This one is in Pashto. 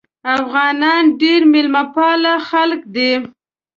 افغانان ډیر میلمه پاله خلک دي.